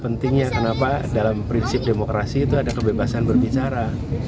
pentingnya kenapa dalam prinsip demokrasi itu ada kebebasan berbicara